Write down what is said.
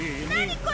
これ！